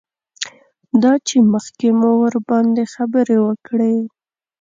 دا چې مخکې مو ورباندې خبرې وکړې.